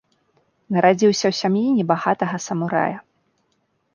Нарадзіўся ў сям'і небагатага самурая.